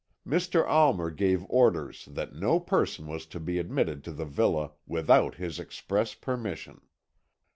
Mr. Almer gave orders that no person was to be admitted to the villa without his express permission.